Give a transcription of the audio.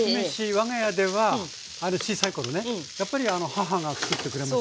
我が家では小さい頃ねやっぱり母がつくってくれましたけども。